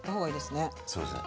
そうですね。